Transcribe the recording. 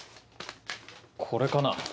これかな？